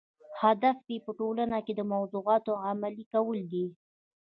هدف یې په ټولنه کې د موضوعاتو عملي کول دي.